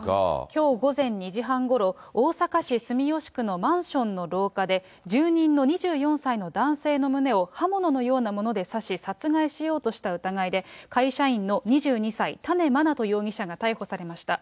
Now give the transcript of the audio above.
きょう午前２時半ごろ、大阪市住吉区のマンションの廊下で、住人の２４歳の男性の胸を刃物のようなもので刺し、殺害しようとした疑いで、会社員の２２歳、多禰茉奈都容疑者が逮捕されました。